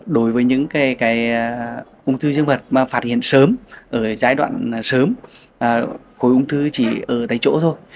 đối với những ung thư dương vật mà phát hiện sớm ở giai đoạn sớm khối ung thư chỉ ở tại chỗ thôi